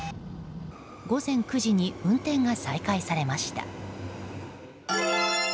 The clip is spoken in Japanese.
午前９時に運転が再開されました。